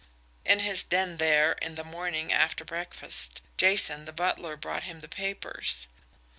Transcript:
In his den there, in the morning after breakfast, Jason, the butler, brought him the papers.